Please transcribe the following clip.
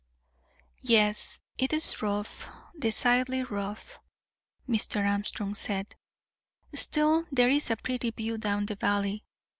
"Yes, it's rough, decidedly rough," Mr. Armstrong said, "still there is a pretty view down the valley.